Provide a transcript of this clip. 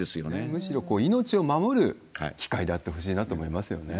むしろ命を守る機械であってほしいなと思いますよね。